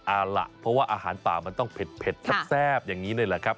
เอาล่ะเพราะว่าอาหารป่ามันต้องเผ็ดแซ่บอย่างนี้เลยแหละครับ